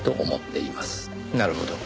なるほど。